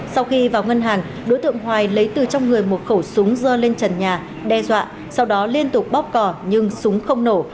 sau khi vào ngân hàng đối tượng hoài lấy từ trong người một khẩu súng dơ lên trần nhà đe dọa sau đó liên tục bóp cò nhưng súng không nổ